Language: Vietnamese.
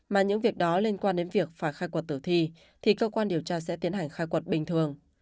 mà những việc đó liên quan đến việc phải khai quật tử thi thì cơ quan điều tra sẽ tiến hành khai quật bình thường